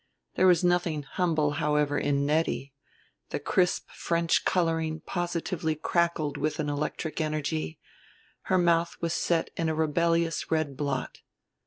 There was nothing humble, however, in Nettie; the crisp French coloring positively crackled with an electric energy; her mouth was set in a rebellious red blot.